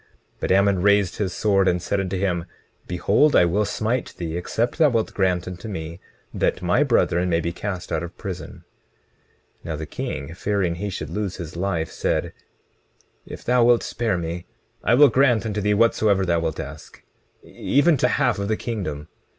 20:22 But Ammon raised his sword, and said unto him: Behold, I will smite thee except thou wilt grant unto me that my brethren may be cast out of prison. 20:23 Now the king, fearing he should lose his life, said: If thou wilt spare me I will grant unto thee whatsoever thou wilt ask, even to half of the kingdom.